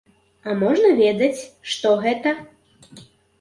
А можна ведаць, што гэта?